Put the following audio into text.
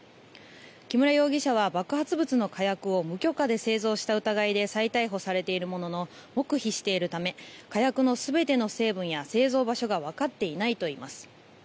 木村容疑者は爆発物の火薬を無許可で製造した疑いで再逮捕されているものの黙秘しているため火薬の全ての成分や製造場所がわかってないといいます。